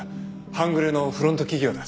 半グレのフロント企業だ。